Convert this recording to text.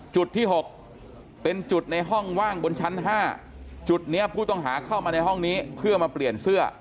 จุดที่๖เป็นจุดในห้องว่างบนชั้น๕จุดนี้ผู้ต้องหาเข้ามาในห้องนี้เพื่อมาเปลี่ยนเสื้อ